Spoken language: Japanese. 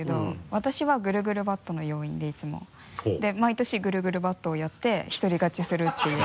私はぐるぐるバットの要員でいつも。で毎年ぐるぐるバットをやってひとり勝ちするっていう。